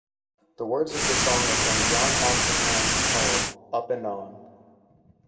The words of the song are from John Oxenham's poem "Up and On".